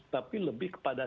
tapi lebih kepada